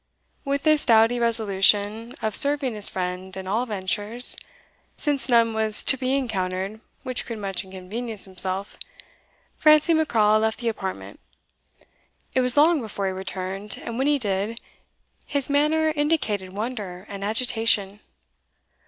With this doughty resolution of serving his friend at all ventures, since none was to be encountered which could much inconvenience himself, Francie Macraw left the apartment. It was long before he returned, and when he did, his manner indicated wonder and agitation.